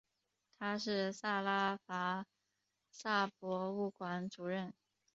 他是萨拉戈萨博物馆主任。